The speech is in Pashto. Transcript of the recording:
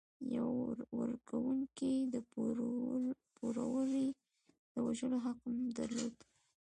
پور ورکوونکو د پوروړي د وژلو حق هم درلود.